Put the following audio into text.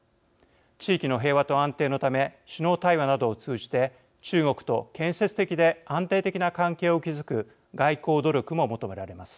地域の平和と安定のため首脳対話などを通じて中国と建設的で安定的な関係を築く外交努力も求められます。